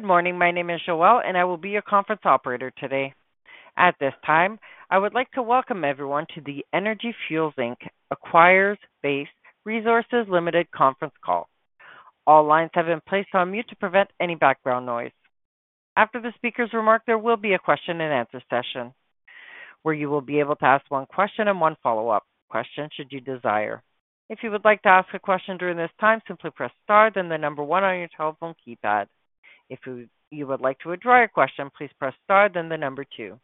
Good morning. My name is Joelle, and I will be your conference operator today. At this time, I would like to welcome everyone to the Energy Fuels Inc. acquires Base Resources Limited conference call. All lines have been placed on mute to prevent any background noise. After the speaker's remark, there will be a question and answer session, where you will be able to ask one question and one follow-up question should you desire. If you would like to ask a question during this time, simply press star, then the number one on your telephone keypad. If you would like to withdraw your question, please press star, then the number two.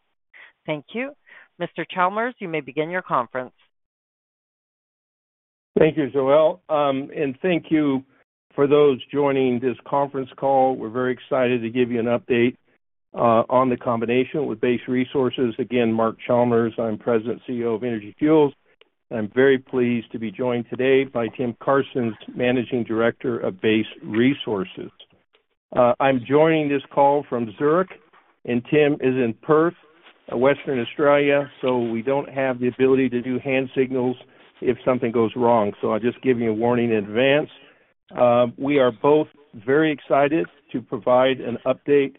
Thank you. Mr. Chalmers, you may begin your conference. Thank you, Joelle, and thank you for those joining this conference call. We're very excited to give you an update on the combination with Base Resources. Again, Mark Chalmers, I'm President, CEO of Energy Fuels, and I'm very pleased to be joined today by Tim Carstens, Managing Director of Base Resources. I'm joining this call from Zurich, and Tim is in Perth, Western Australia, so we don't have the ability to do hand signals if something goes wrong, so I'll just give you a warning in advance. We are both very excited to provide an update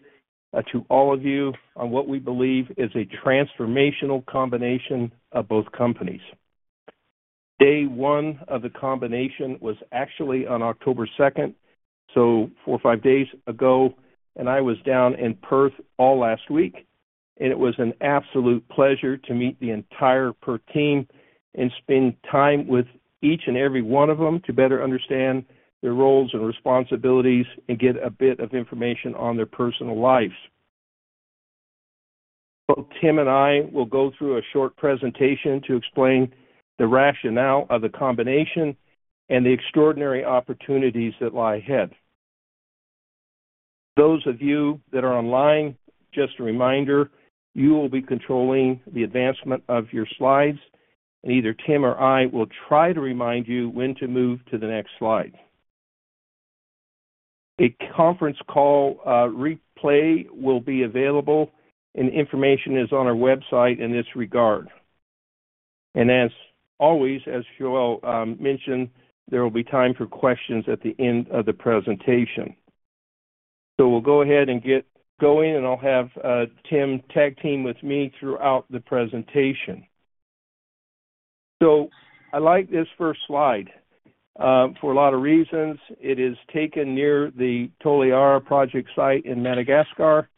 to all of you on what we believe is a transformational combination of both companies. Day one of the combination was actually on October 2nd, so four or five days ago, and I was down in Perth all last week, and it was an absolute pleasure to meet the entire Perth team and spend time with each and every one of them to better understand their roles and responsibilities and get a bit of information on their personal lives. Both Tim and I will go through a short presentation to explain the rationale of the combination and the extraordinary opportunities that lie ahead. Those of you that are online, just a reminder, you will be controlling the advancement of your slides, and either Tim or I will try to remind you when to move to the next slide. A conference call replay will be available, and information is on our website in this regard. As always, as Joelle mentioned, there will be time for questions at the end of the presentation. We'll go ahead and get going, and I'll have Tim tag team with me throughout the presentation. I like this first slide for a lot of reasons. It is taken near the Toliara Project site in Madagascar.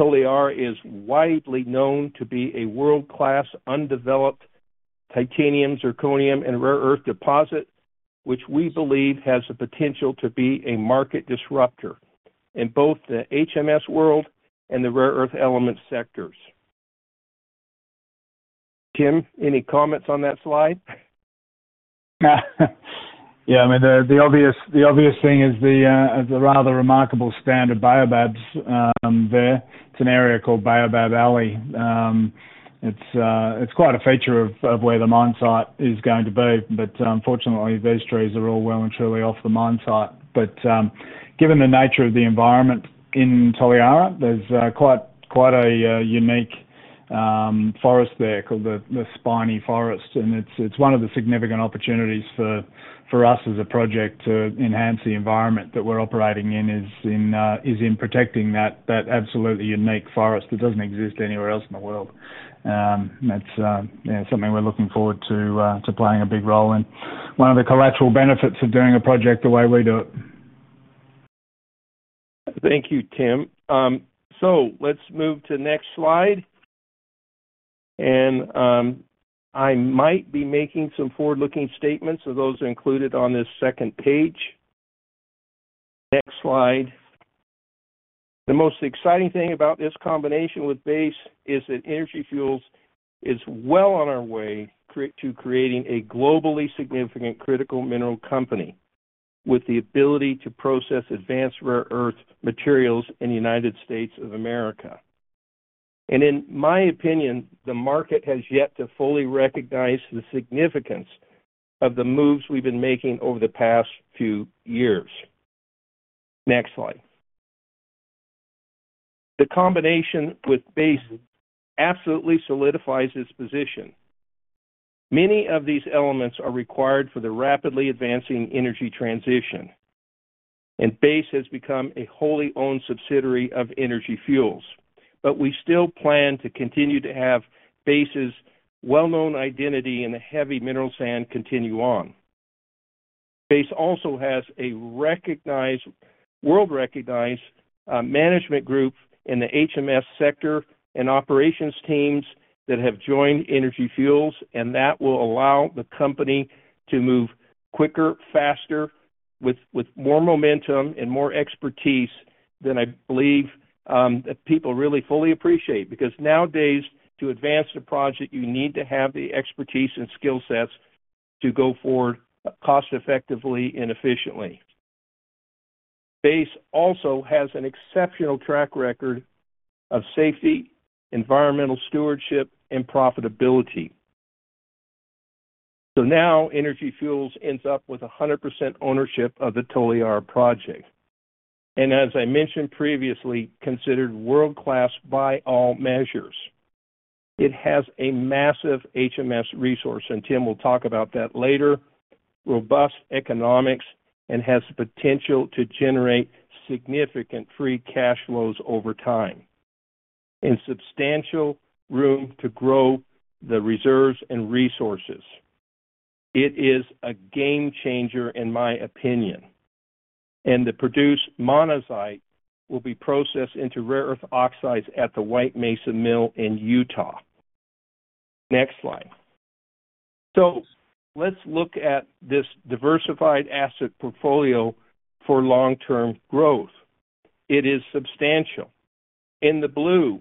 Toliara is widely known to be a world-class, undeveloped titanium, zirconium, and rare earth deposit, which we believe has the potential to be a market disruptor in both the HMS world and the rare earth element sectors. Tim, any comments on that slide? Yeah, I mean, the obvious thing is the rather remarkable stand of baobabs there. It's an area called Baobab Alley. It's quite a feature of where the mine site is going to be, but unfortunately, those trees are all well and truly off the mine site. But given the nature of the environment in Toliara, there's quite a unique forest there called the spiny forest, and it's one of the significant opportunities for us as a project to enhance the environment that we're operating in, is in protecting that absolutely unique forest that doesn't exist anywhere else in the world. That's you know, something we're looking forward to playing a big role in. One of the collateral benefits of doing a project the way we do it. Thank you, Tim, so let's move to next slide, and I might be making some forward-looking statements, so those are included on this second page. Next slide. The most exciting thing about this combination with Base is that Energy Fuels is well on our way to creating a globally significant critical mineral company, with the ability to process advanced rare earth materials in the United States of America. In my opinion, the market has yet to fully recognize the significance of the moves we've been making over the past few years. Next slide. The combination with Base absolutely solidifies its position. Many of these elements are required for the rapidly advancing energy transition, and Base has become a wholly owned subsidiary of Energy Fuels, but we still plan to continue to have Base's well-known identity in the heavy mineral sand continue on. Base also has a recognized, world-recognized management group in the HMS sector and operations teams that have joined Energy Fuels, and that will allow the company to move quicker, faster, with more momentum and more expertise than I believe that people really fully appreciate. Because nowadays, to advance a project, you need to have the expertise and skill sets to go forward cost effectively and efficiently. Base also has an exceptional track record of safety, environmental stewardship, and profitability. So now Energy Fuels ends up with 100% ownership of the Toliara project, and as I mentioned previously, considered world-class by all measures. It has a massive HMS resource, and Tim will talk about that later. Robust economics and has the potential to generate significant free cash flows over time, and substantial room to grow the reserves and resources. It is a game changer, in my opinion, and the produced monazite will be processed into rare earth oxides at the White Mesa Mill in Utah. Next slide, so let's look at this diversified asset portfolio for long-term growth. It is substantial. In the blue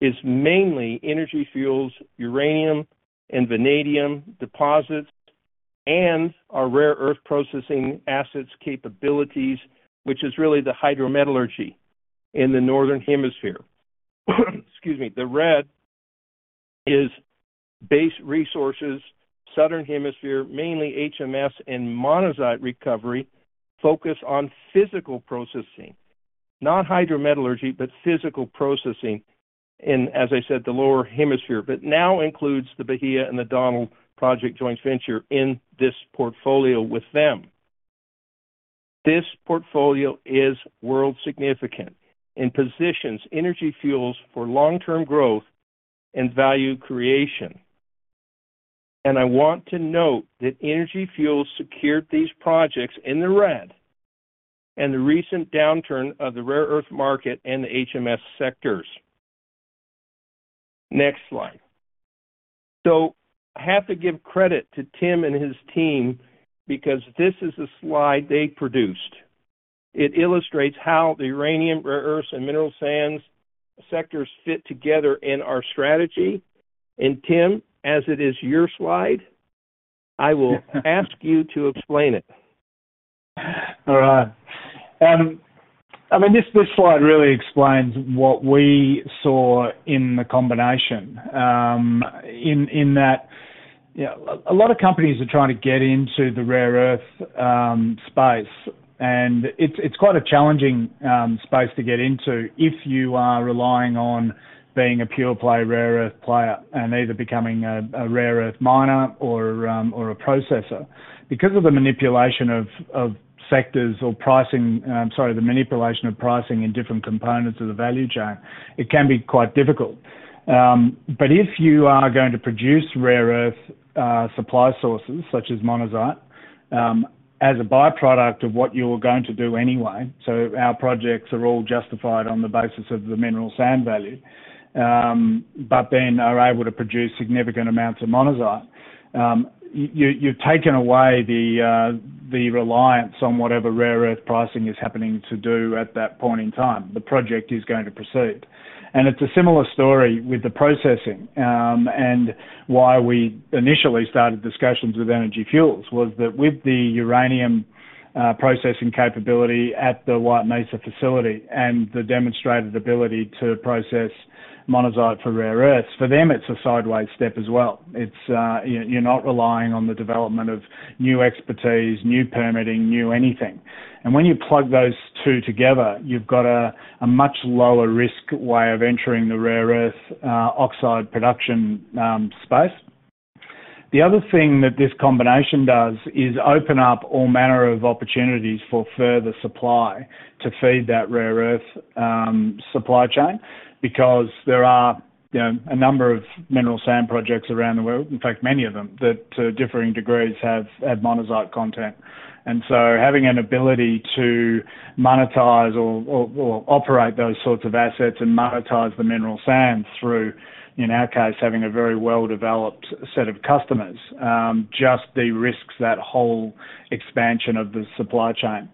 is mainly Energy Fuels, uranium, and vanadium deposits, and our rare earth processing assets capabilities, which is really the hydrometallurgy in the Northern Hemisphere. Excuse me. The red is Base Resources, Southern Hemisphere, mainly HMS and monazite recovery, focus on physical processing. Not hydrometallurgy, but physical processing in, as I said, the lower hemisphere. But now includes the Bahia Project and the Donald Project joint venture in this portfolio with them. This portfolio is world significant and positions Energy Fuels for long-term growth and value creation. I want to note that Energy Fuels secured these projects in the red, and the recent downturn of the rare earth market and the HMS sectors. Next slide. I have to give credit to Tim and his team because this is a slide they produced. It illustrates how the uranium, rare earths, and mineral sands sectors fit together in our strategy. Tim, as it is your slide, I will ask you to explain it. All right. I mean, this, this slide really explains what we saw in the combination. In that, yeah, a lot of companies are trying to get into the rare earth space, and it's quite a challenging space to get into if you are relying on being a pure play rare earth player and either becoming a rare earth miner or a processor. Because of the manipulation of sectors or pricing, sorry, the manipulation of pricing in different components of the value chain, it can be quite difficult. But if you are going to produce rare earth supply sources such as monazite as a byproduct of what you're going to do anyway, so our projects are all justified on the basis of the mineral sand value, but then are able to produce significant amounts of monazite. You've taken away the reliance on whatever rare earth pricing is happening to do at that point in time. The project is going to proceed. And it's a similar story with the processing, and why we initially started discussions with Energy Fuels, was that with the uranium processing capability at the White Mesa facility and the demonstrated ability to process monazite for rare earths, for them, it's a sideways step as well. It's, you're not relying on the development of new expertise, new permitting, new anything. And when you plug those two together, you've got a much lower risk way of entering the rare earth oxide production space. The other thing that this combination does is open up all manner of opportunities for further supply to feed that rare earth supply chain, because there are, you know, a number of mineral sand projects around the world, in fact, many of them, that to differing degrees, have monazite content. And so having an ability to monetize or operate those sorts of assets and monetize the mineral sands through, in our case, having a very well-developed set of customers, just de-risks that whole expansion of the supply chain.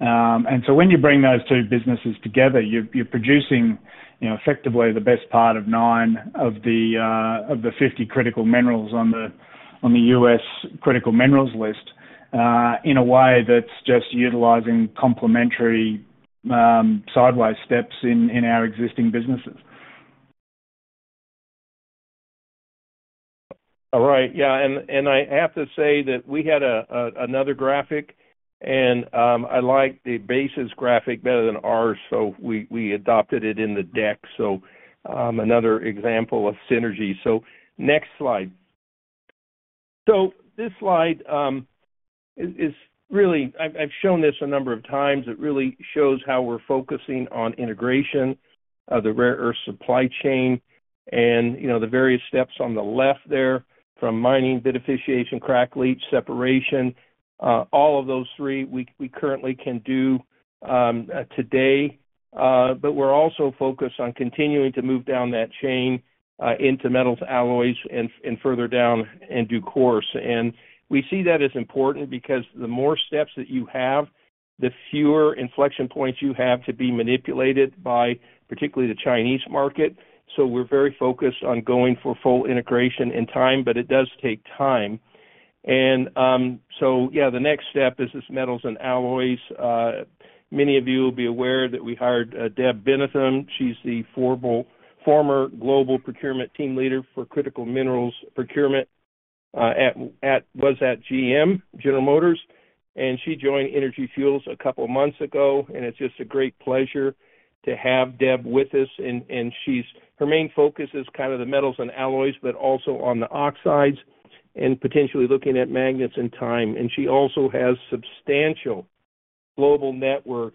And so when you bring those two businesses together, you're producing, you know, effectively the best part of nine of the 50 critical minerals on the U.S. Critical Minerals List, in a way that's just utilizing complementary sideways steps in our existing businesses. All right. Yeah, and I have to say that we had another graphic and I like the Base's graphic better than ours, so we adopted it in the deck. So another example of synergy. So next slide. So this slide is really... I've shown this a number of times. It really shows how we're focusing on integration of the rare earth supply chain and, you know, the various steps on the left there, from mining, beneficiation, crack leach, separation. All of those three we currently can do today, but we're also focused on continuing to move down that chain into metals, alloys, and further down in due course. And we see that as important because the more steps that you have, the fewer inflection points you have to be manipulated by, particularly the Chinese market. So we're very focused on going for full integration in time, but it does take time. And so yeah, the next step is this, metals and alloys. Many of you will be aware that we hired Deb Bennethum. She's the former Global Procurement Team Leader for Critical Minerals Procurement at GM, General Motors, and she joined Energy Fuels a couple months ago, and it's just a great pleasure to have Deb with us. And her main focus is kind of the metals and alloys, but also on the oxides and potentially looking at magnets and time. And she also has substantial global network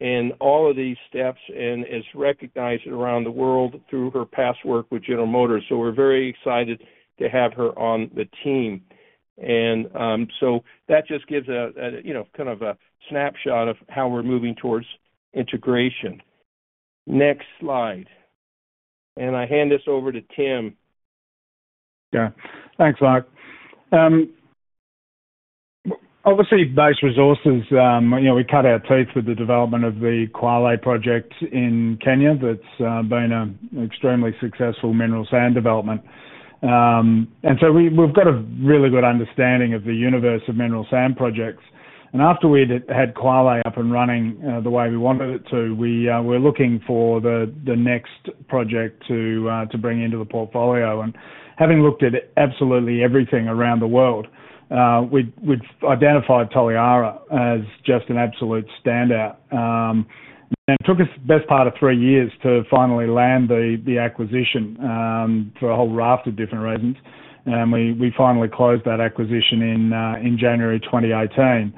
in all of these steps and is recognized around the world through her past work with General Motors. So we're very excited to have her on the team. And, so that just gives a, you know, kind of a snapshot of how we're moving towards integration. Next slide. And I hand this over to Tim. Yeah. Thanks, Mark. Obviously, Base Resources, you know, we cut our teeth with the development of the Kwale Project in Kenya. That's been an extremely successful mineral sand development. And so we've got a really good understanding of the universe of mineral sand projects. And after we had Kwale up and running, the way we wanted it to, we're looking for the next project to bring into the portfolio. And having looked at absolutely everything around the world, we'd identified Toliara as just an absolute standout. And it took us the best part of three years to finally land the acquisition for a whole raft of different reasons. And we finally closed that acquisition in January 2018.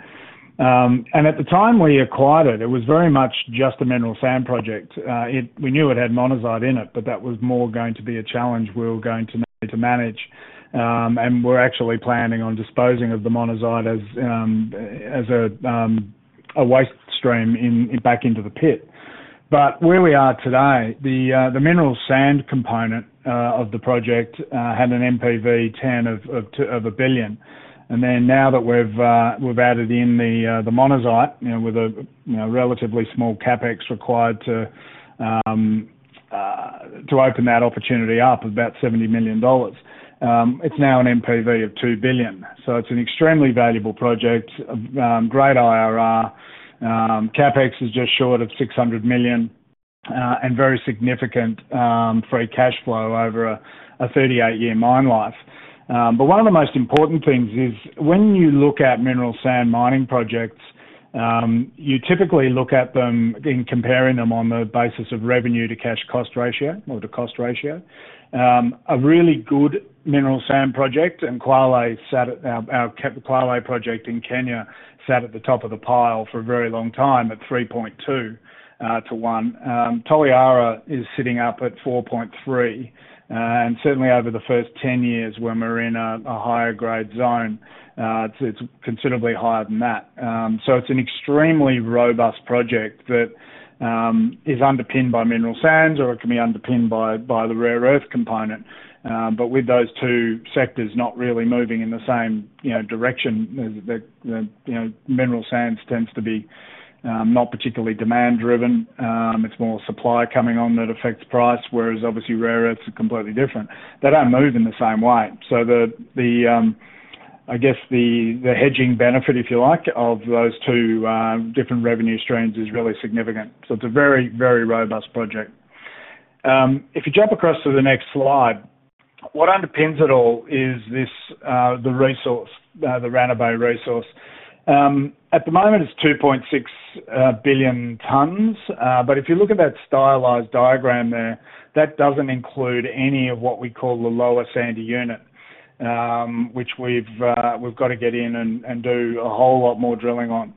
And at the time we acquired it, it was very much just a mineral sand project. It-- we knew it had monazite in it, but that was more going to be a challenge we were going to need to manage. And we're actually planning on disposing of the monazite as a waste stream back into the pit. But where we are today, the mineral sand component of the project had an NPV10 of $1 billion. And then now that we've added in the monazite, you know, with a you know, relatively small CapEx required to open that opportunity up, about $70 million, it's now an NPV of $2 billion. So it's an extremely valuable project. Great IRR. CapEx is just short of $600 million, and very significant free cash flow over a 38-year mine life, but one of the most important things is when you look at mineral sands mining projects, you typically look at them in comparing them on the basis of revenue to cash cost ratio or the cost ratio. A really good mineral sands project, and Kwale sat at our Kwale Project in Kenya, sat at the top of the pile for a very long time at 3.2 to one. Toliara is sitting up at 4.3, and certainly over the first 10 years when we're in a higher grade zone, it's considerably higher than that. So it's an extremely robust project that is underpinned by mineral sands, or it can be underpinned by the rare earth component. But with those two sectors not really moving in the same, you know, direction, the you know, mineral sands tends to be not particularly demand-driven, it's more supply coming on that affects price, whereas obviously, rare earths are completely different. They don't move in the same way. So the, I guess, the hedging benefit, if you like, of those two different revenue streams is really significant. So it's a very, very robust project. If you jump across to the next slide, what underpins it all is this, the resource, the Ranobe resource. At the moment, it's 2.6 billion tons. But if you look at that stylized diagram there, that doesn't include any of what we call the Lower Sandy Unit, which we've got to get in and do a whole lot more drilling on.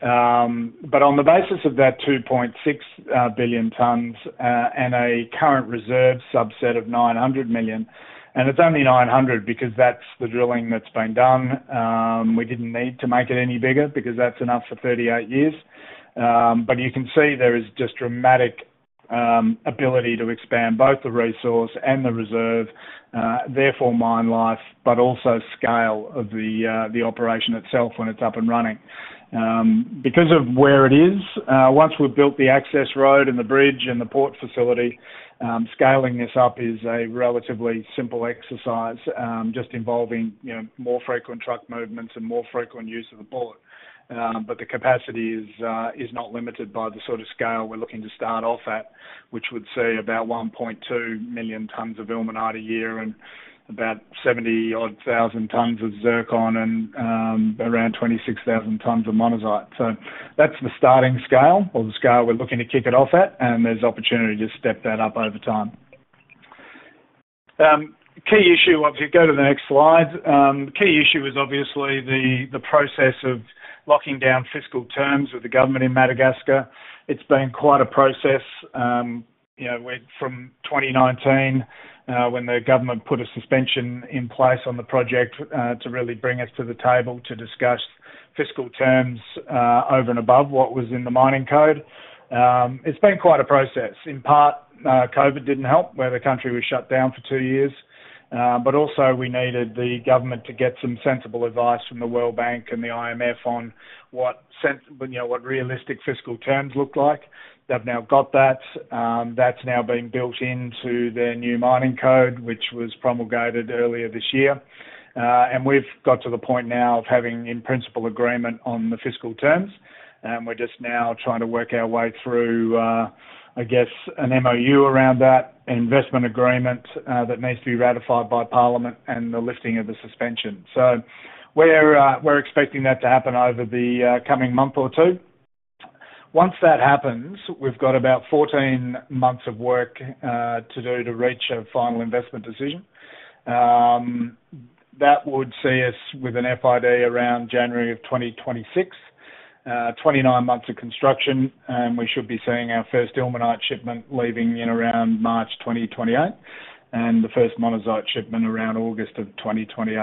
But on the basis of that 2.6 billion tons and a current reserve subset of 900 million, and it's only 900 million because that's the drilling that's been done. We didn't need to make it any bigger because that's enough for 38 years. But you can see there is just dramatic ability to expand both the resource and the reserve, therefore mine life, but also scale of the operation itself when it's up and running. Because of where it is, once we've built the access road and the bridge and the port facility, scaling this up is a relatively simple exercise, just involving, you know, more frequent truck movements and more frequent use of the port. But the capacity is not limited by the sort of scale we're looking to start off at, which would see about 1.2 million tons of ilmenite a year and about 70-odd thousand tons of zircon and around 26,000 tons of monazite. So that's the starting scale or the scale we're looking to kick it off at, and there's opportunity to step that up over time. Key issue obviously, go to the next slide. Key issue is obviously the process of locking down fiscal terms with the government in Madagascar. It's been quite a process. You know, we from 2019, when the government put a suspension in place on the project, to really bring us to the table to discuss fiscal terms, over and above what was in the mining code, it's been quite a process. In part, COVID didn't help, where the country was shut down for two years, but also we needed the government to get some sensible advice from the World Bank and the IMF on what sense you know what realistic fiscal terms look like. They've now got that. That's now been built into their new mining code, which was promulgated earlier this year. And we've got to the point now of having in principle agreement on the fiscal terms. We're just now trying to work our way through, I guess, an MOU around that, an investment agreement, that needs to be ratified by Parliament and the lifting of the suspension. We're expecting that to happen over the coming month or two. Once that happens, we've got about 14 months of work to do to reach a final investment decision. That would see us with an FID around January of 2026, 29 months of construction, and we should be seeing our first ilmenite shipment leaving in around March 2028, and the first monazite shipment around August of 2028.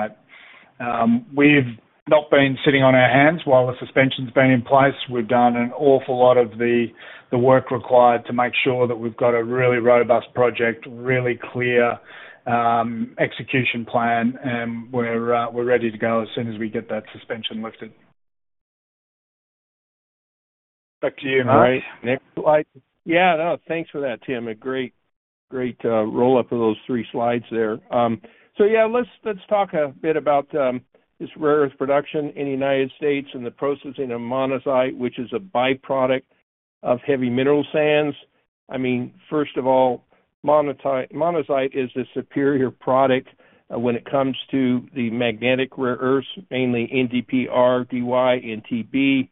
We've not been sitting on our hands while the suspension's been in place. We've done an awful lot of the work required to make sure that we've got a really robust project, really clear execution plan, and we're ready to go as soon as we get that suspension lifted. Back to you, Mark. All right. Next slide. Yeah, no, thanks for that, Tim. A great, great roll-up of those three slides there. So yeah, let's, let's talk a bit about this rare earth production in the United States and the processing of monazite, which is a byproduct of heavy mineral sands. I mean, first of all, monazite is a superior product when it comes to the magnetic rare earths, mainly NdPr, Dy, and Tb.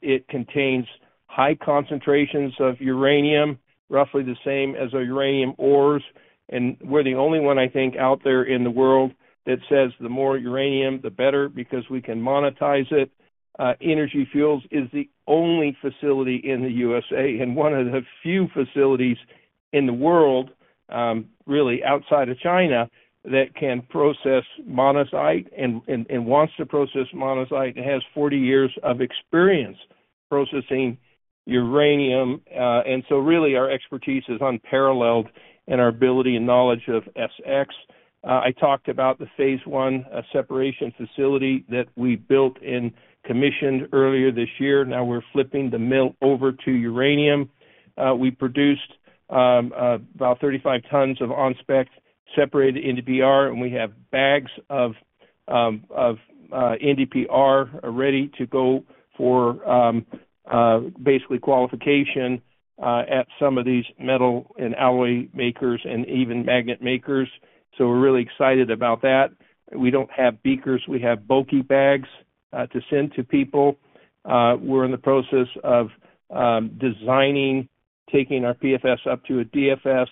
It contains high concentrations of uranium, roughly the same as our uranium ores, and we're the only one, I think, out there in the world that says the more uranium, the better, because we can monetize it. Energy Fuels is the only facility in the USA and one of the few facilities in the world, really outside of China, that can process monazite and wants to process monazite, and has 40 years of experience processing uranium, and so really our expertise is unparalleled and our ability and knowledge of SX. I talked about the Phase 1 separation facility that we built and commissioned earlier this year. Now we're flipping the mill over to uranium. We produced about 35 tons of on-spec separated NdPr, and we have bags of NdPr are ready to go for basically qualification at some of these metal and alloy makers and even magnet makers, so we're really excited about that. We don't have beakers. We have bulky bags to send to people. We're in the process of designing, taking our PFS up to a DFS,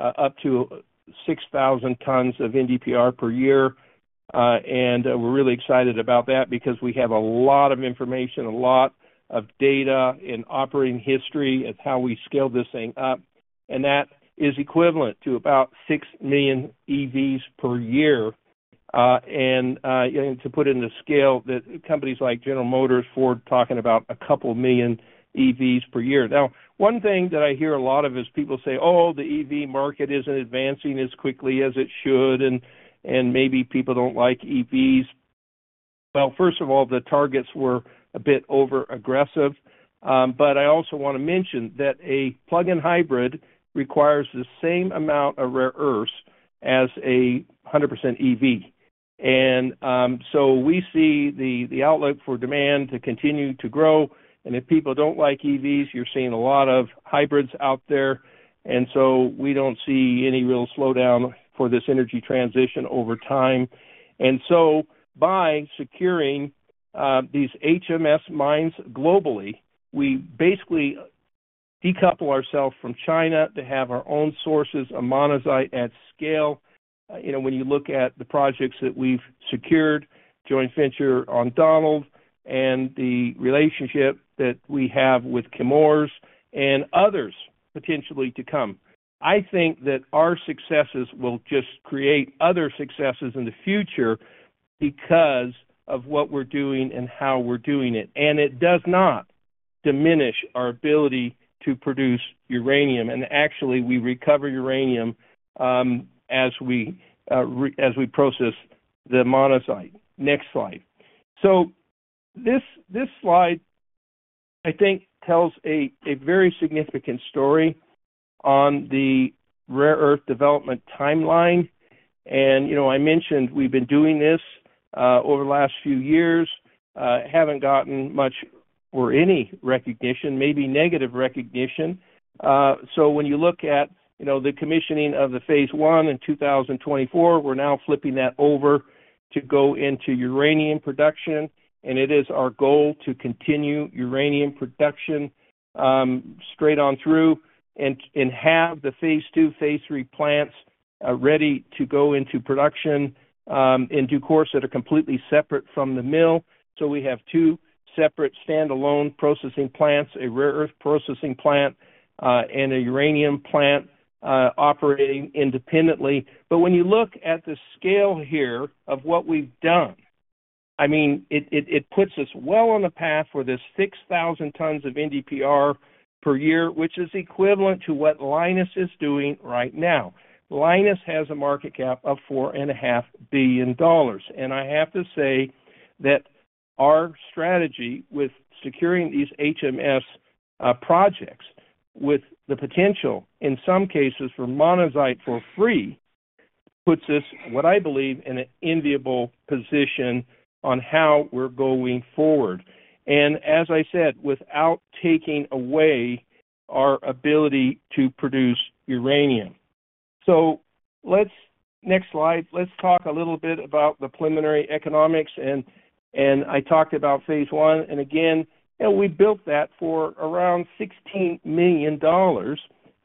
up to 6,000 tons of NdPr per year. To put it into scale, the companies like General Motors, Ford, talking about a couple million EVs per year. Now, one thing that I hear a lot of is people say, "Oh, the EV market isn't advancing as quickly as it should, and maybe people don't like EVs." Well, first of all, the targets were a bit overaggressive, but I also want to mention that a plug-in hybrid requires the same amount of rare earths as a 100% EV. And so we see the outlook for demand to continue to grow, and if people don't like EVs, you're seeing a lot of hybrids out there, and so we don't see any real slowdown for this energy transition over time. And so by securing these HMS mines globally, we basically decouple ourselves from China to have our own sources of monazite at scale. You know, when you look at the projects that we've secured, joint venture on Donald, and the relationship that we have with Chemours and others potentially to come, I think that our successes will just create other successes in the future because of what we're doing and how we're doing it. It does not diminish our ability to produce uranium, and actually, we recover uranium as we process the monazite. Next slide. This slide, I think, tells a very significant story on the rare earth development timeline. You know, I mentioned we've been doing this over the last few years. Haven't gotten much or any recognition, maybe negative recognition. So when you look at, you know, the commissioning of the Phase 1 in 2024, we're now flipping that over to go into uranium production, and it is our goal to continue uranium production straight on through and have the Phase 2, Phase 3 plants ready to go into production in due course, that are completely separate from the mill. So we have two separate standalone processing plants, a rare earth processing plant and a uranium plant operating independently. But when you look at the scale here of what we've done, I mean, it puts us well on the path for this 6,000 tons of NdPr per year, which is equivalent to what Lynas is doing right now. Lynas has a market cap of $4.5 billion, and I have to say that our strategy with securing these HMS projects, with the potential, in some cases, for monazite for free, puts us, what I believe, in an enviable position on how we're going forward. And as I said, without taking away our ability to produce uranium. So let's next slide. Let's talk a little bit about the preliminary economics, and I talked about Phase 1, and again, we built that for around $16 million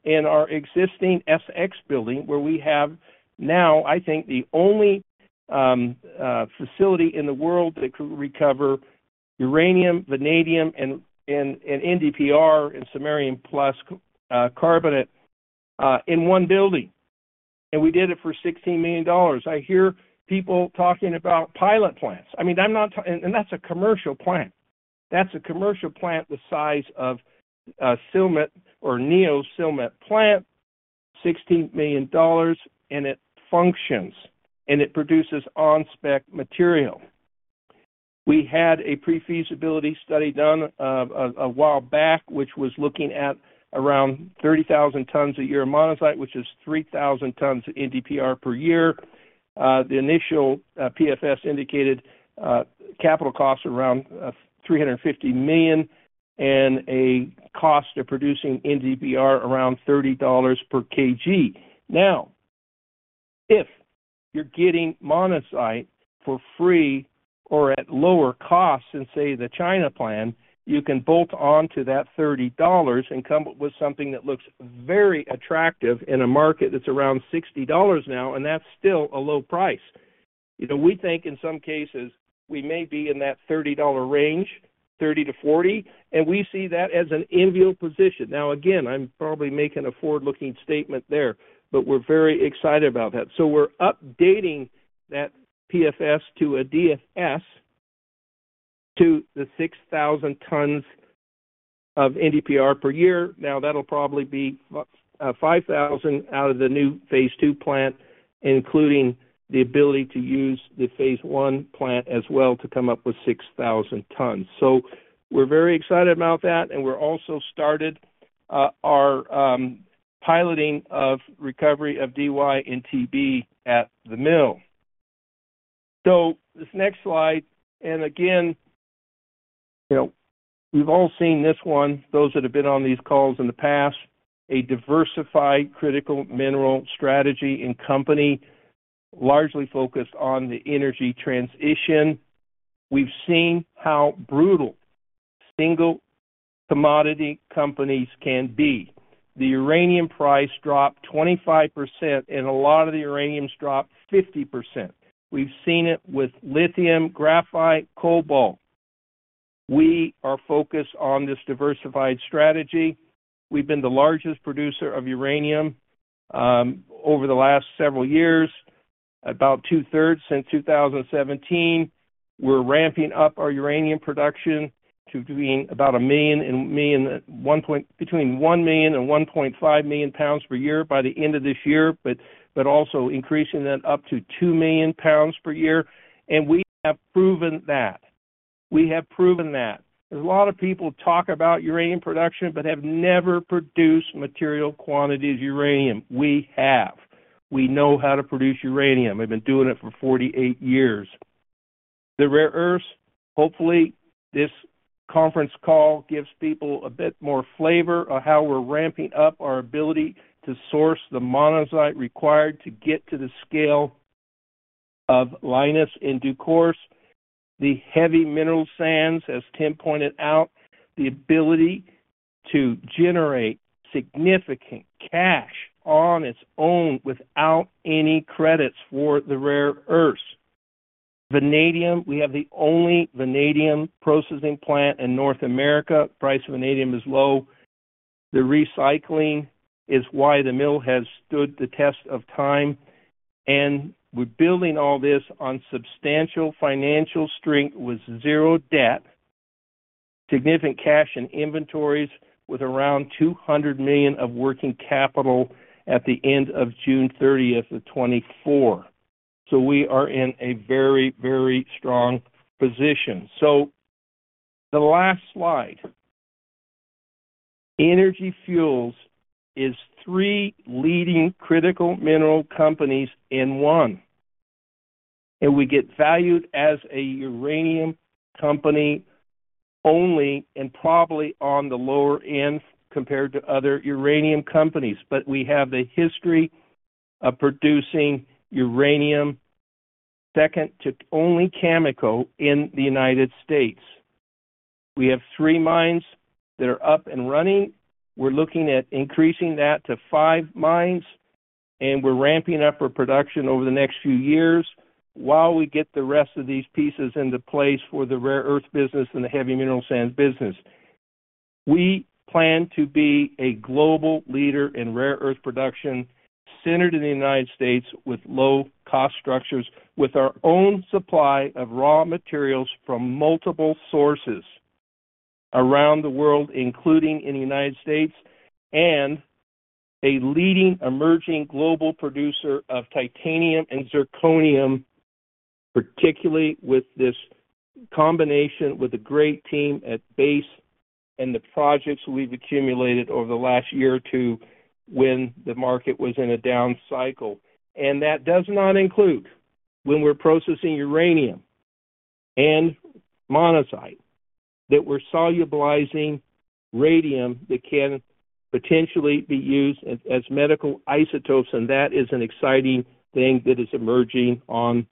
in our existing SX building, where we have now, I think, the only facility in the world that could recover uranium, vanadium, and NdPr and samarium plus carbonate in one building, and we did it for $16 million. I hear people talking about pilot plants. I mean, I'm not talking, and that's a commercial plant. That's a commercial plant the size of a Silmet or Neo Silmet plant, $16 million, and it functions, and it produces on-spec material. We had a pre-feasibility study done a while back, which was looking at around 30,000 tons a year of monazite, which is 3,000 tons of NdPr per year. The initial PFS indicated capital costs around $350 million, and a cost of producing NdPr around $30 per kg. Now, if you're getting monazite for free or at lower costs than, say, the China plant, you can bolt on to that $30 and come up with something that looks very attractive in a market that's around $60 now, and that's still a low price. You know, we think in some cases we may be in that $30 range, $30-$40, and we see that as an enviable position. Now, again, I'm probably making a forward-looking statement there, but we're very excited about that. So we're updating that PFS to a DFS to the 6,000 tons of NdPr per year. Now, that'll probably be, 5,000 out of the new Phase 2 plant, including the ability to use the Phase 1 plant as well to come up with 6,000 tons. So we're very excited about that, and we're also started our piloting of recovery of Dy and Tb at the mill. So this next slide, and again, you know, we've all seen this one, those that have been on these calls in the past, a diversified critical mineral strategy and company largely focused on the energy transition. We've seen how brutal single commodity companies can be. The uranium price dropped 25%, and a lot of the uraniums dropped 50%. We've seen it with lithium, graphite, cobalt. We are focused on this diversified strategy. We've been the largest producer of uranium over the last several years, about 2/3 since 2017. We're ramping up our uranium production to being about between 1 million lbs-1.5 million lbs per year by the end of this year, but, but also increasing that up to two million lbs per year. We have proven that. We have proven that. There's a lot of people talk about uranium production but have never produced material quantities of uranium. We have. We know how to produce uranium. We've been doing it for 48 years. The rare earths, hopefully, this conference call gives people a bit more flavor of how we're ramping up our ability to source the monazite required to get to the scale of Lynas in due course. The heavy mineral sands, as Tim pointed out, the ability to generate significant cash on its own without any credits for the rare earths. Vanadium, we have the only vanadium processing plant in North America. Price of vanadium is low. The recycling is why the mill has stood the test of time, and we're building all this on substantial financial strength with zero debt, significant cash and inventories with around $200 million of working capital at the end of June thirtieth, 2024. We are in a very, very strong position. The last slide. Energy Fuels is three leading critical mineral companies in one, and we get valued as a uranium company only and probably on the lower end compared to other uranium companies. But we have a history of producing uranium, second to only Cameco in the United States. We have three mines that are up and running. We're looking at increasing that to five mines, and we're ramping up our production over the next few years while we get the rest of these pieces into place for the rare earth business and the heavy mineral sands business. We plan to be a global leader in rare earth production, centered in the United States, with low cost structures, with our own supply of raw materials from multiple sources around the world, including in the United States, and a leading emerging global producer of titanium and zirconium-... particularly with this combination, with a great team at Base and the projects we've accumulated over the last year or two when the market was in a down cycle. And that does not include, when we're processing uranium and monazite, that we're solubilizing radium that can potentially be used as medical isotopes, and that is an exciting thing that is emerging on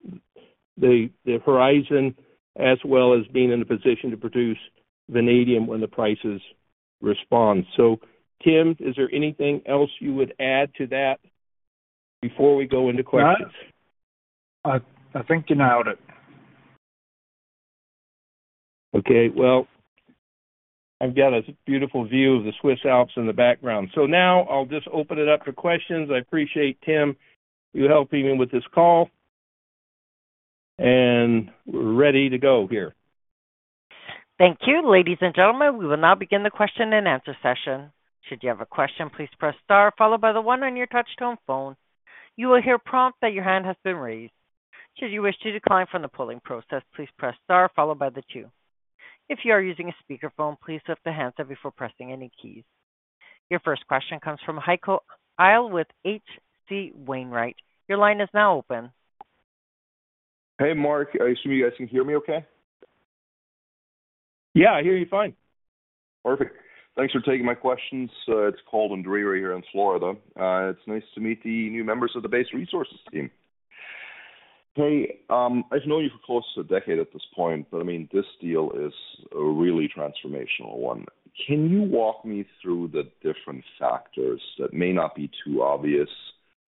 the horizon, as well as being in a position to produce vanadium when the prices respond. So, Tim, is there anything else you would add to that before we go into questions? No. I think you nailed it. Okay, well, I've got a beautiful view of the Swiss Alps in the background. So now I'll just open it up for questions. I appreciate, Tim, you helping me with this call, and we're ready to go here. Thank you. Ladies and gentlemen, we will now begin the question-and-answer session. Should you have a question, please press star followed by the one on your touchtone phone. You will hear a prompt that your hand has been raised. Should you wish to decline from the polling process, please press star followed by the two. If you are using a speakerphone, please lift the handset before pressing any keys. Your first question comes from Heiko Ihle with H.C. Wainwright. Your line is now open. Hey, Mark, I assume you guys can hear me okay? Yeah, I hear you fine. Perfect. Thanks for taking my questions. It's cold and dreary here in Florida. It's nice to meet the new members of the Base Resources team. Hey, I've known you for close to a decade at this point, but, I mean, this deal is a really transformational one. Can you walk me through the different factors that may not be too obvious,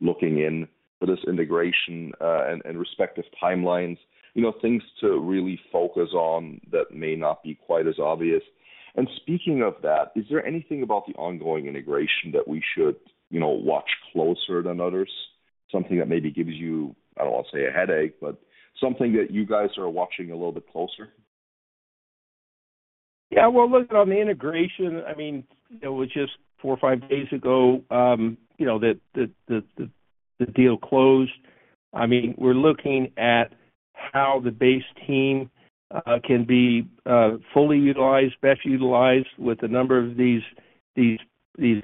looking in for this integration, and respective timelines? You know, things to really focus on that may not be quite as obvious. And speaking of that, is there anything about the ongoing integration that we should, you know, watch closer than others? Something that maybe gives you, I don't want to say a headache, but something that you guys are watching a little bit closer. Yeah, well, look, on the integration, I mean, it was just four or five days ago, you know, that the deal closed. I mean, we're looking at how the Base team can be fully utilized, best utilized with the number of these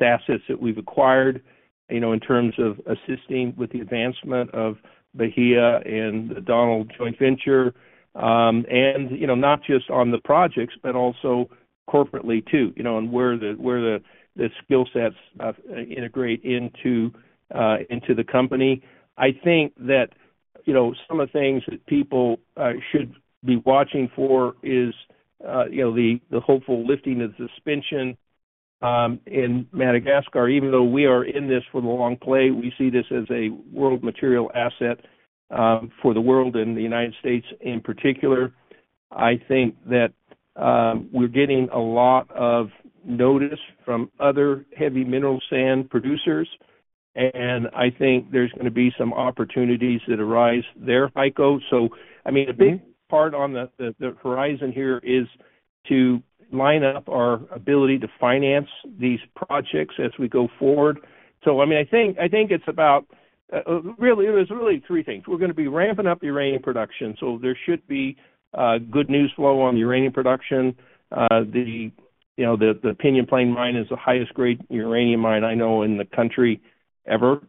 assets that we've acquired, you know, in terms of assisting with the advancement of Bahia and Donald Joint Venture. And, you know, not just on the projects, but also corporately too, you know, and where the skill sets integrate into the company. I think that, you know, some of the things that people should be watching for is, you know, the hopeful lifting of the suspension in Madagascar. Even though we are in this for the long play, we see this as a world material asset for the world and the United States in particular. I think that we're getting a lot of notice from other heavy mineral sands producers, and I think there's gonna be some opportunities that arise there, Heiko. So, I mean, a big part on the horizon here is to line up our ability to finance these projects as we go forward. So, I mean, I think it's about really, there's really three things. We're gonna be ramping up uranium production, so there should be good news flow on the uranium production. You know, the Pinyon Plain Mine is the highest grade uranium mine I know in the country, ever.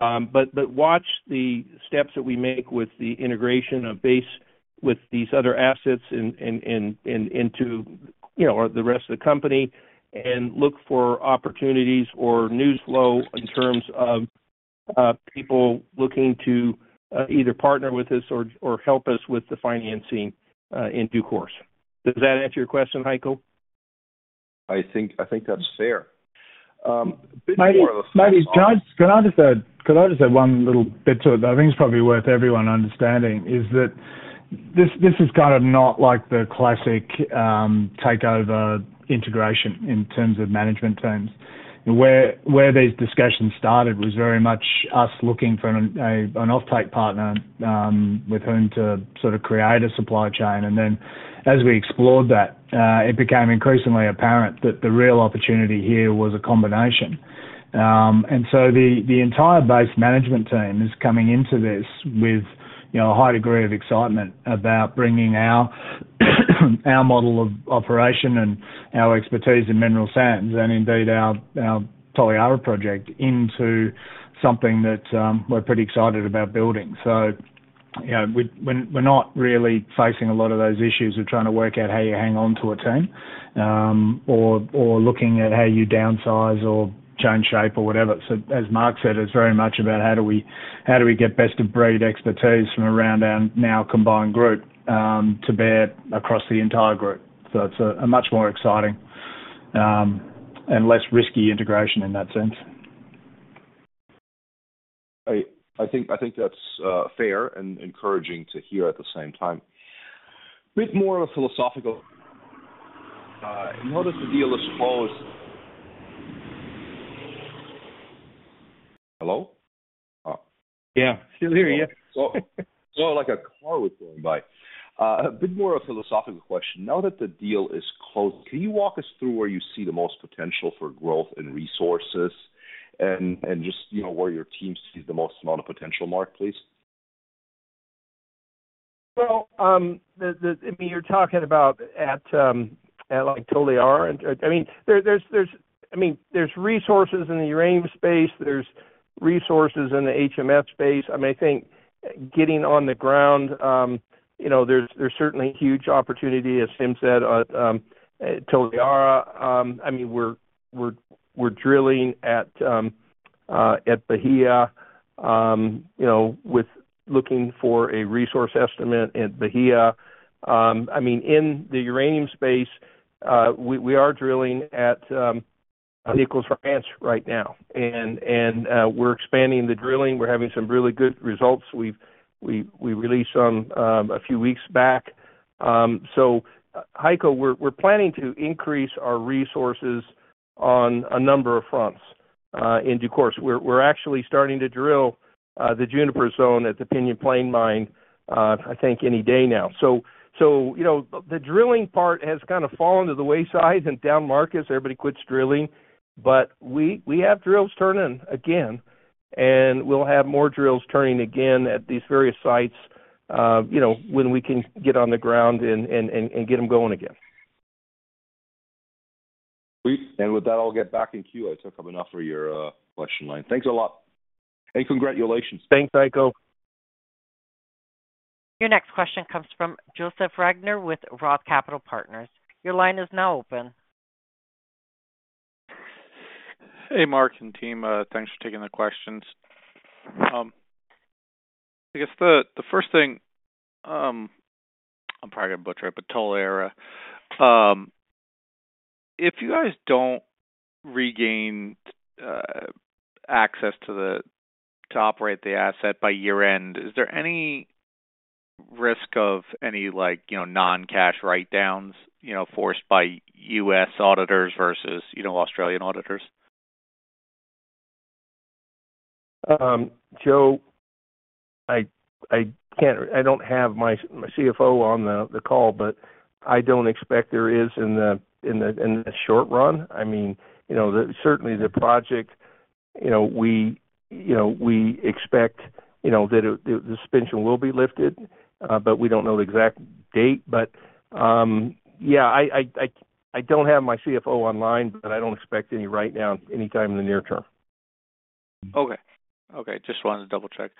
But watch the steps that we make with the integration of Base, with these other assets into, you know, the rest of the company, and look for opportunities or news flow in terms of people looking to either partner with us or help us with the financing in due course. Does that answer your question, Heiko? I think that's fair. Maybe- Maybe I can just add one little bit to it. I think it's probably worth everyone understanding that this is kind of not like the classic takeover integration in terms of management terms. Where these discussions started was very much us looking for an offtake partner with whom to sort of create a supply chain. And then as we explored that, it became increasingly apparent that the real opportunity here was a combination. And so the entire Base management team is coming into this with, you know, a high degree of excitement about bringing our model of operation and our expertise in mineral sands, and indeed our Toliara project into something that we're pretty excited about building. So, you know, we're not really facing a lot of those issues of trying to work out how you hang on to a team, or looking at how you downsize or change shape or whatever. So as Mark said, it's very much about how do we, how do we get best-of-breed expertise from around our now combined group to bear across the entire group. So it's a much more exciting and less risky integration in that sense. I think that's fair and encouraging to hear at the same time. Bit more of a philosophical... Now that the deal is closed... Hello? Yeah, still here. Yeah. So, like a car was going by. A bit more of a philosophical question. Now that the deal is closed, can you walk us through where you see the most potential for growth in resources? And just, you know, where your team sees the most amount of potential, Mark, please? I mean, you're talking about at, like, Toliara. I mean, there's resources in the uranium space, there's resources in the HMS space. I mean, I think getting on the ground, you know, there's certainly huge opportunity, as Tim said, at Toliara. I mean, we're drilling at Bahia, you know, with looking for a resource estimate at Bahia. I mean, in the uranium space, we are drilling at Nichols Ranch right now, and we're expanding the drilling. We're having some really good results. We've released some a few weeks back. So Heiko, we're planning to increase our resources on a number of fronts, in due course. We're actually starting to drill the Juniper Zone at the Pinyon Plain Mine, I think any day now. So, you know, the drilling part has kind of fallen to the wayside and down markets, everybody quits drilling. But we have drills turning again, and we'll have more drills turning again at these various sites, you know, when we can get on the ground and get them going again. Great! And with that, I'll get back in queue. I took up enough for your question line. Thanks a lot, and congratulations. Thanks, Heiko. Your next question comes from Joseph Reagor with Roth Capital Partners. Your line is now open. Hey, Mark and team. Thanks for taking the questions. I guess the first thing, I'm probably gonna butcher it, but Toliara. If you guys don't regain access to operate the asset by year-end, is there any risk of any, like, you know, non-cash write-downs, you know, forced by U.S. auditors versus, you know, Australian auditors? Joe, I can't. I don't have my CFO on the call, but I don't expect there is in the short run. I mean, you know, certainly the project, you know, we expect, you know, that it, the suspension will be lifted, but we don't know the exact date. But, yeah, I don't have my CFO online, but I don't expect any write-down anytime in the near term. Okay. Okay, just wanted to double-check.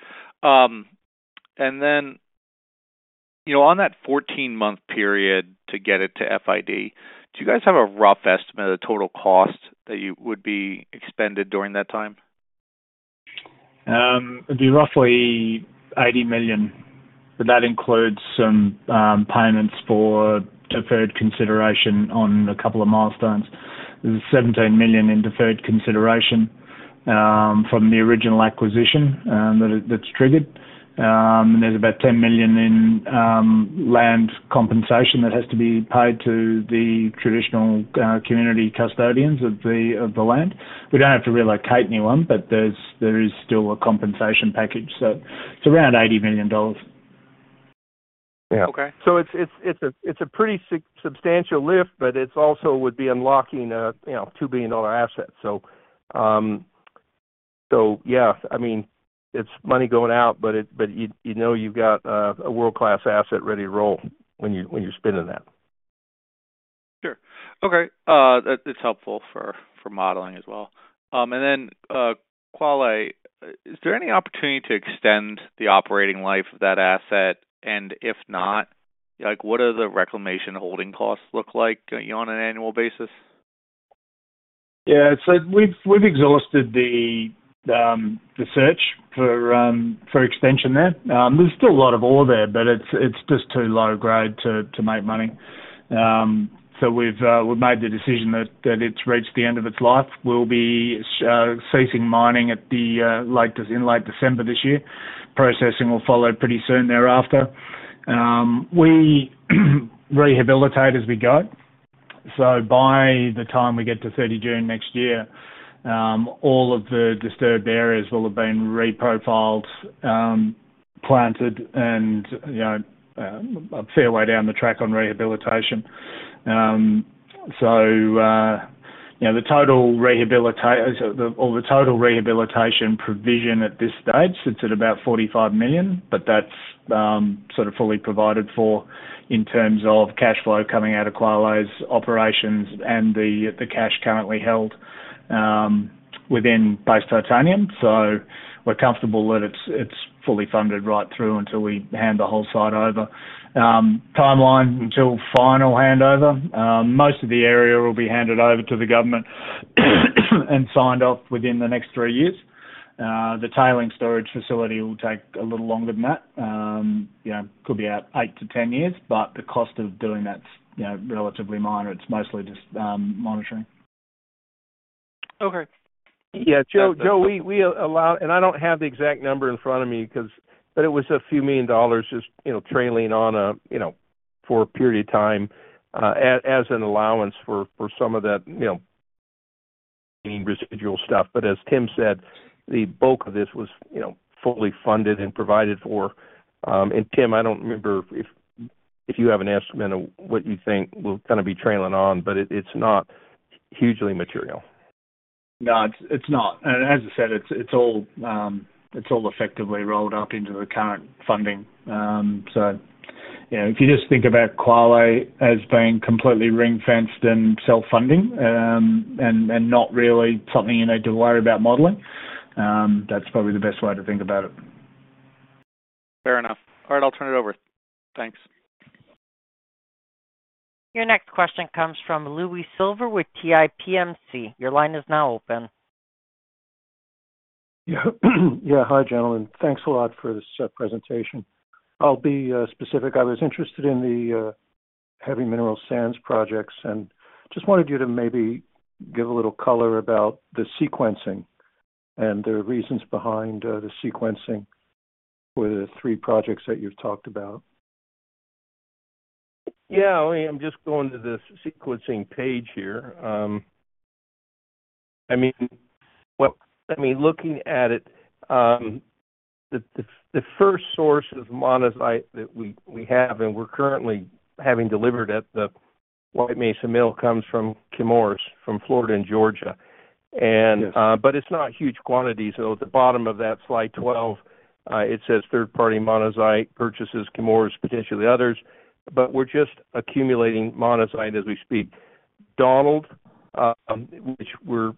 And then, you know, on that 14-month period to get it to FID, do you guys have a rough estimate of the total cost that you would be expended during that time? It'd be roughly $80 million, but that includes some payments for deferred consideration on a couple of milestones. There's $17 million in deferred consideration from the original acquisition that is, that's triggered, and there's about $10 million in land compensation that has to be paid to the traditional community custodians of the land. We don't have to relocate anyone, but there is still a compensation package, so it's around $80 million. Yeah, okay. So it's a pretty substantial lift, but it's also would be unlocking a, you know, $2 billion asset. So, so yeah, I mean, it's money going out, but it, but you, you know you've got a, a world-class asset ready to roll when you, when you're spending that. Sure. Okay, that is helpful for modeling as well. And then, Kwale, is there any opportunity to extend the operating life of that asset? And if not, like, what are the reclamation holding costs look like, on an annual basis? Yeah, so we've exhausted the search for extension there. There's still a lot of ore there, but it's just too low grade to make money. So we've made the decision that it's reached the end of its life. We'll be ceasing mining in late December this year. Processing will follow pretty soon thereafter. We rehabilitate as we go. By the time we get to thirty June next year, all of the disturbed areas will have been reprofiled, planted and, you know, a fair way down the track on rehabilitation. So, you know, the total rehabilitation provision at this stage sits at about $45 million, but that's sort of fully provided for in terms of cash flow coming out of Kwale's operations and the cash currently held within Base Titanium. So we're comfortable that it's fully funded right through until we hand the whole site over. Timeline until final handover, most of the area will be handed over to the government and signed off within the next three years. The tailings storage facility will take a little longer than that. You know, could be out eight to 10 years, but the cost of doing that's relatively minor. It's mostly just monitoring. Okay. Yeah, Joe, we allow. And I don't have the exact number in front of me, but it was a few million dollars, just, you know, trailing on a, you know, for a period of time, as an allowance for some of that, you know, residual stuff. But as Tim said, the bulk of this was, you know, fully funded and provided for. And Tim, I don't remember if you have an estimate of what you think will kind of be trailing on, but it's not hugely material. ... No, it's not, and as I said, it's all effectively rolled up into the current funding, so, you know, if you just think about Kwale as being completely ring-fenced and self-funding, and not really something you need to worry about modeling, that's probably the best way to think about it. Fair enough. All right, I'll turn it over. Thanks. Your next question comes from Louis Silver with TiPMC. Your line is now open. Yeah. Yeah, hi, gentlemen. Thanks a lot for this presentation. I'll be specific. I was interested in the heavy mineral sands projects, and just wanted you to maybe give a little color about the sequencing and the reasons behind the sequencing for the three projects that you've talked about. Yeah, let me... I'm just going to the sequencing page here. I mean, well, I mean, looking at it, the first source of monazite that we have, and we're currently having delivered at the White Mesa Mill, comes from Chemours, from Florida and Georgia. And- Yes. But it's not huge quantities. So at the bottom of that slide 12, it says third-party monazite purchases, Chemours, potentially others. But we're just accumulating monazite as we speak. Donald, which we're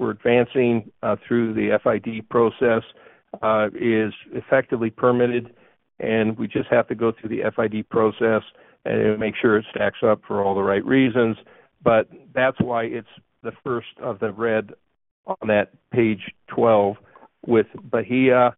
advancing through the FID process, is effectively permitted, and we just have to go through the FID process and make sure it stacks up for all the right reasons. But that's why it's the first of the red on that page 12. With Bahia,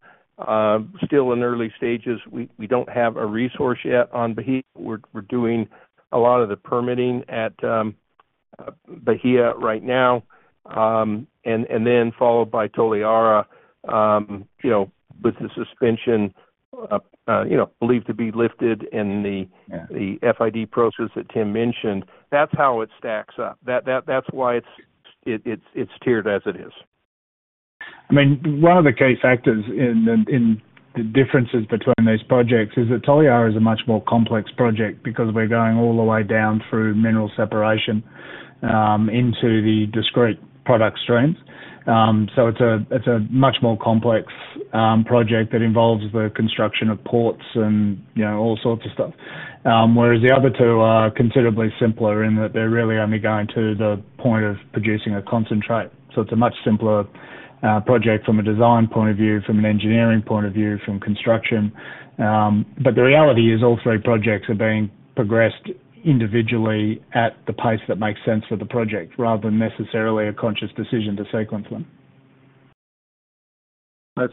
still in the early stages, we don't have a resource yet on Bahia. We're doing a lot of the permitting at Bahia right now. And then followed by Toliara, you know, with the suspension, you know, believed to be lifted and the- Yeah... the FID process that Tim mentioned, that's how it stacks up. That's why it's tiered as it is. I mean, one of the key factors in the differences between these projects is that Toliara is a much more complex project because we're going all the way down through mineral separation into the discrete product streams, so it's a much more complex project that involves the construction of ports and, you know, all sorts of stuff. Whereas the other two are considerably simpler in that they're really only going to the point of producing a concentrate, so it's a much simpler project from a design point of view, from an engineering point of view, from construction, but the reality is, all three projects are being progressed individually at the pace that makes sense for the project, rather than necessarily a conscious decision to sequence them. That's.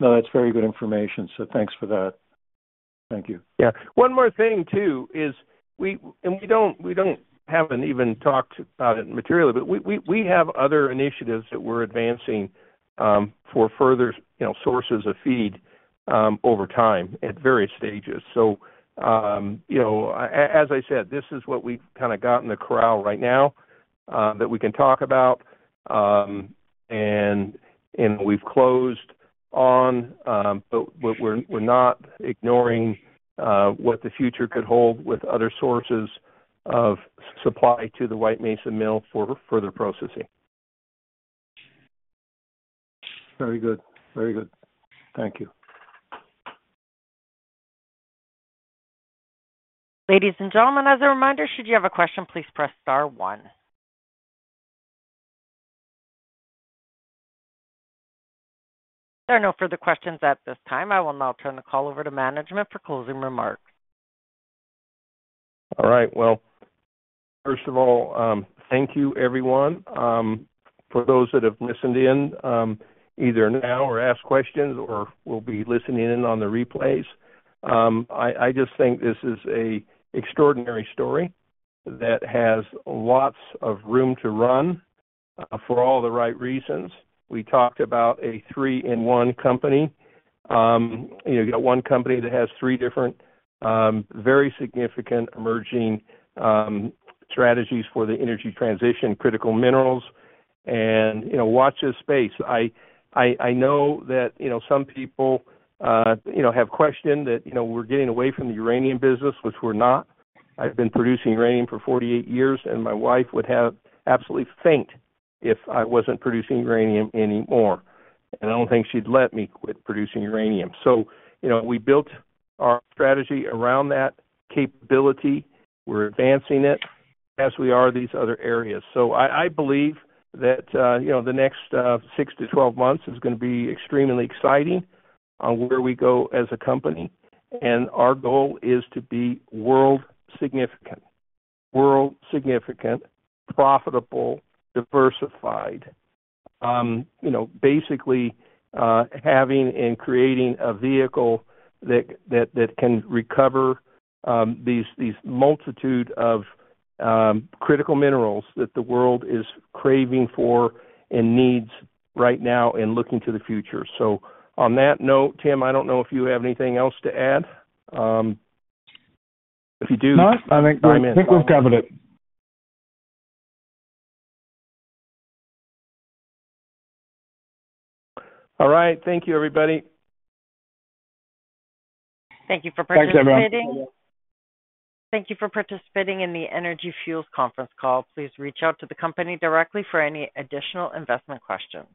No, that's very good information, so thanks for that. Thank you. Yeah. One more thing, too, is, and we haven't even talked about it materially, but we have other initiatives that we're advancing for further, you know, sources of feed over time at various stages. So, you know, as I said, this is what we've kind of got in the corral right now, that we can talk about. And we've closed on, but we're not ignoring what the future could hold with other sources of supply to the White Mesa Mill for further processing. Very good. Very good. Thank you. Ladies and gentlemen, as a reminder, should you have a question, please press star one. There are no further questions at this time. I will now turn the call over to management for closing remarks. All right. Well, first of all, thank you, everyone. For those that have listened in, either now or asked questions or will be listening in on the replays, I just think this is a extraordinary story that has lots of room to run, for all the right reasons. We talked about a three-in-one company. You know, you got one company that has three different, very significant emerging, strategies for the energy transition, critical minerals and, you know, watch this space. I know that, you know, some people, you know, have questioned that, you know, we're getting away from the uranium business, which we're not. I've been producing uranium for 48 years, and my wife would have absolutely faint if I wasn't producing uranium anymore, and I don't think she'd let me quit producing uranium. So, you know, we built our strategy around that capability. We're advancing it as we are these other areas. I believe that, you know, the next six to 12 months is gonna be extremely exciting on where we go as a company, and our goal is to be world significant, world significant, profitable, diversified. You know, basically, having and creating a vehicle that that can recover these multitude of critical minerals that the world is craving for and needs right now and looking to the future. So on that note, Tim, I don't know if you have anything else to add. If you do, I think- No, I think we've covered it. All right. Thank you, everybody. Thank you for participating. Thanks, everyone. Thank you for participating in the Energy Fuels conference call. Please reach out to the company directly for any additional investment questions.